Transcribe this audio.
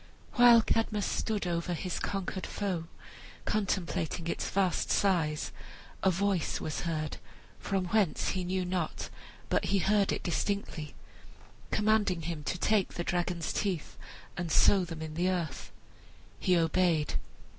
While Cadmus stood over his conquered foe, contemplating its vast size, a voice was heard (from whence he knew not, but he heard it distinctly) commanding him to take the dragon's teeth and sow them in the earth. He obeyed.